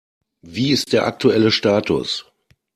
Wie ist der aktuelle Status?